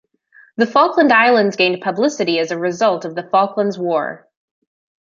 The Falkland Islands gained publicity as a result of the Falklands War.